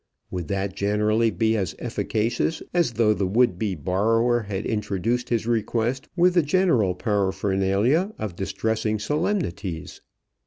Would that generally be as efficacious as though the would be borrower had introduced his request with the general paraphernalia of distressing solemnities?